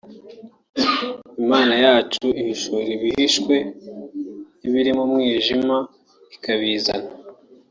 “Imana yacu ihishura ibihishwe n’ibiri mu mwijima ikabizana